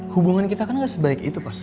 hubungan kita kan gak sebaik itu pak